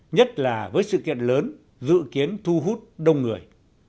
nhất là với sự kiện lớn dự kiến thu hút đông người